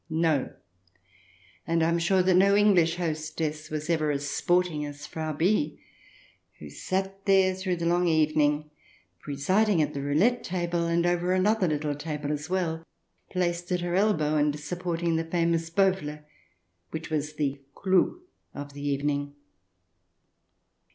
No ; and I am sure that no English hostess was ever as " sporting " as Frau B , who sat there through the long evening, presiding at the roulette table and over another little table as well, placed at her elbow and supporting the famous Bowie, which was the clou of the evening.